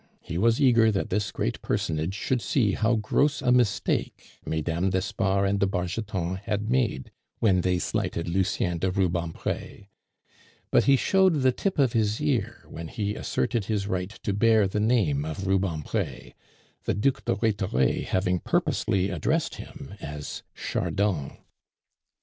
He was eager that this great personage should see how gross a mistake Mesdames d'Espard and de Bargeton had made when they slighted Lucien de Rubempre. But he showed the tip of his ear when he asserted his right to bear the name of Rubempre, the Duc de Rhetore having purposely addressed him as Chardon.